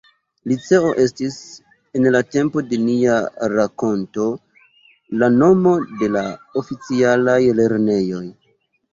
Liceo estis, en la tempo de nia rakonto, la nomo de la oficialaj lernejoj.